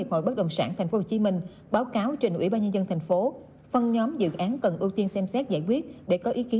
cảm ơn các bạn đã theo dõi